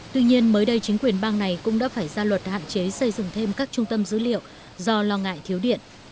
tuy nhiên mới đây chính quyền bang này cũng đã phải ra luật hạn chế xây dựng thêm các trung tâm dữ liệu do lo ngại thiếu điện